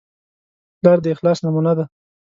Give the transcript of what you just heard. پلار د اخلاص نمونه ده.